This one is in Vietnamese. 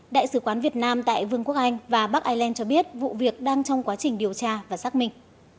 đại sứ quán việt nam tại vương quốc anh và bắc ireland cho biết vụ việc đang trong quá trình điều tra và xác minh